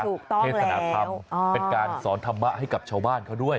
เทศนธรรมเป็นการสอนธรรมะให้กับชาวบ้านเขาด้วย